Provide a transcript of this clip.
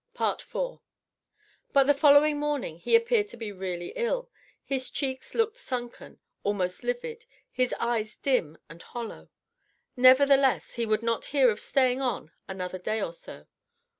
IV But the following morning he appeared to be really ill: his cheeks looked sunken, almost livid, his eyes dim and hollow. Nevertheless he would not hear of staying on another day or so.